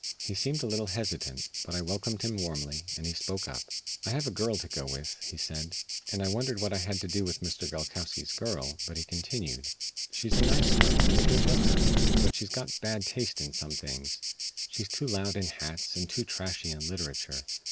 He seemed a little hesitant, but I welcomed him warmly, and he spoke up. "I have a girl to go with," he said, and I wondered what I had to do with Mr. Gilkowsky's girl, but he continued: "She's a nice girl and a good looker, but she's got bad taste in some things. She's too loud in hats, and too trashy in literature.